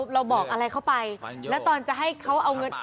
เราบอกอะไรเข้าไปแล้วตอนจะให้เขาเอาเงิน